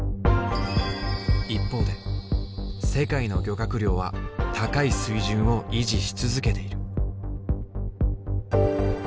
一方で世界の漁獲量は高い水準を維持し続けている。